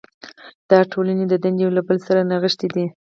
دا ټولې دندې یو له بل سره نغښتې دي.